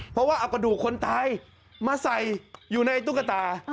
เพราะว่าเอากระดูกคนตายมาใส่อยู่ในตุ๊กตา